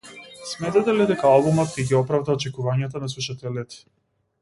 Сметате ли дека албумот ќе ги оправда очекувањата на слушателите?